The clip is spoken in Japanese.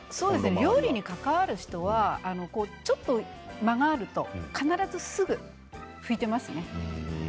料理に関わる人はちょっと間があると必ずすぐ拭いていますね。